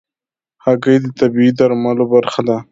هګۍ د طبيعي درملو برخه ده.